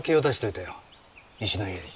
石の家に。